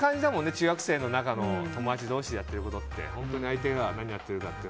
中学生の中の友達同士でやってることって本当に相手が何やってるかって。